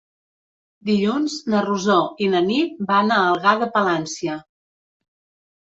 Dilluns na Rosó i na Nit van a Algar de Palància.